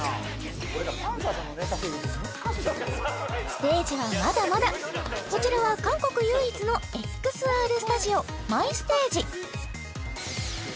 ステージはまだまだこちらは韓国唯一のＸＲスタジオ